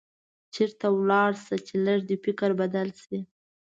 چېرته چکر ته لاړ شه چې لږ دې فکر بدل شي.